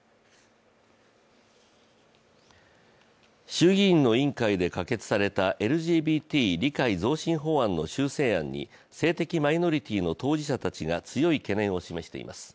衆議院の委員会で可決されたＬＧＢＴ理解増進法案の修正案に性的マイノリティーの当事者たちが強い懸念を示しています。